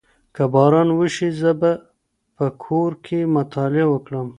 که باران وشي زه به په کور کي مطالعه وکړم.